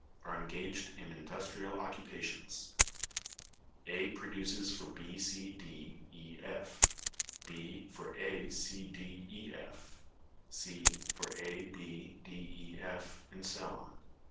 are engaged in industrial occupations—A produces for B, C, D, E, F; B for A, C, D, E, F; C for A, B, D, E, F, and so on.